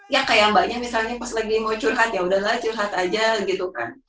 ya kayak mbaknya misalnya pas lagi mau curhat ya udahlah curhat aja gitu kan